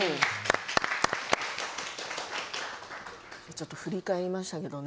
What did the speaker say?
ちょっと振り返りましたけれどもね。